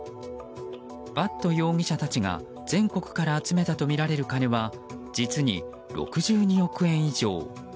伐渡容疑者たちが全国から集めたとみられる金は実に６２億円以上。